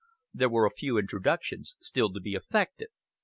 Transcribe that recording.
There were a few introductions still to be effected.